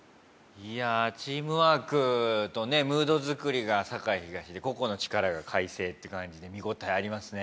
いやチームワークとムードづくりが栄東で個々の力が開成って感じで見応えありますね。